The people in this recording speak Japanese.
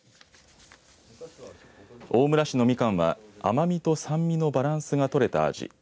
大村市のみかんは甘みと酸味のバランスが取れた味。